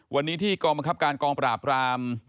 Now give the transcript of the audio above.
วันนี้ที่กองบังคับการกองปราบราม